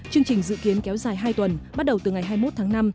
chương trình dự kiến kéo dài hai tuần bắt đầu từ ngày hai mươi một tháng năm